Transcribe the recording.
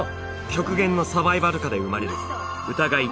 極限のサバイバル下で生まれる疑い